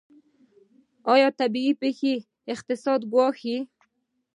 آیا طبیعي پیښې اقتصاد ګواښي؟